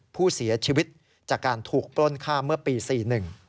ผู้เสียชีวิตจากการถูกปล้นฆ่าเมื่อปี๔๑